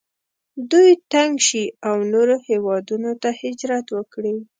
دوی تنګ شي او نورو هیوادونو ته هجرت وکړي.